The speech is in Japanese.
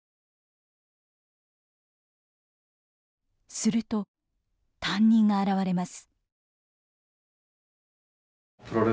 すると担任が現れます。